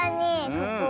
ここ。